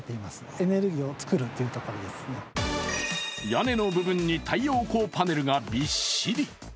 屋根の部分に太陽光パネルがびっしり。